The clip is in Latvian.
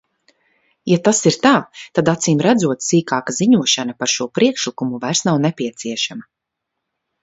Ja tas ir tā, tad acīmredzot sīkāka ziņošana par šo priekšlikumu vairs nav nepieciešama.